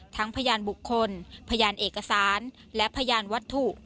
พยานบุคคลพยานเอกสารและพยานวัตถุ